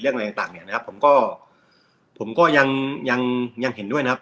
เรื่องอะไรต่างต่างเนี้ยนะครับผมก็ผมก็ยังยังยังเห็นด้วยนะครับ